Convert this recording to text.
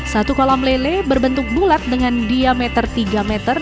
satu kolam lele berbentuk bulat dengan diameter tiga meter